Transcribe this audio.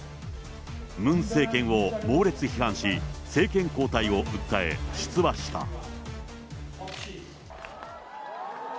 ムン政権を猛烈批判し、政権交代を訴え、出馬した。